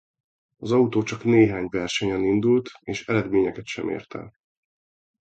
Az autó csak néhány versenyen indult és eredményeket sem ért el.